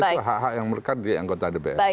itu hak hak yang merekat di anggota dpr